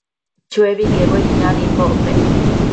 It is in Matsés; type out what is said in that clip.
Chuebi quebuedi nadimbocpec